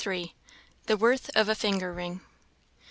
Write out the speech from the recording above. The worth of a Finger Ring.